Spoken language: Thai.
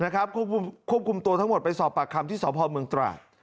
ควบคุมตัวทั้งหมดไปสอบปากคำที่สพเมืองตราด